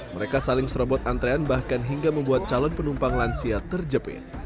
mereka saling serobot antrean bahkan hingga membuat calon penumpang lansia terjepit